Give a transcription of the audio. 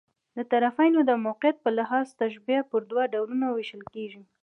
د طرفَینو د موقعیت په لحاظ، تشبیه پر دوه ډولونو وېشل کېږي.